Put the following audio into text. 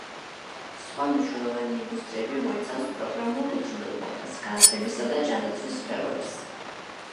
სხვა მნიშვნელოვანი ინდუსტრიები მოიცავს პროგრამულ უზრუნველყოფას, განათლებისა და ჯანდაცვის სფეროებს.